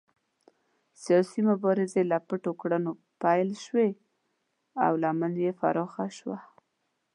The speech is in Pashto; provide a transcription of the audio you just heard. سیاسي مبارزې له پټو کړنو پیل شوې او لمن یې پراخه شوه.